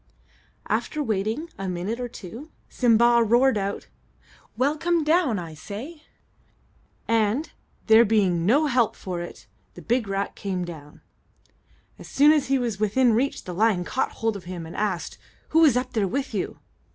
After waiting a minute or two, Simba roared out, "Well, come down, I say!" and, there being no help for it, the big rat came down. As soon as he was within reach, the lion caught hold of him, and asked, "Who was up there with you?"